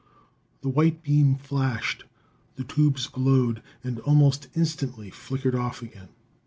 The white beam flashed, the tubes glowed and almost instantly flickered off again.